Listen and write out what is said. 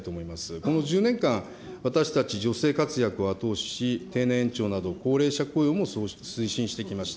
この１０年間、私たち、女性活躍を後押しし、定年延長など、高齢者雇用も推進してきました。